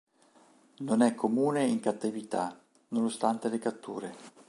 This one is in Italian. Non è comune in cattività, nonostante le catture.